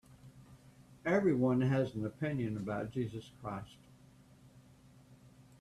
Everyone has an opinion about Jesus Christ.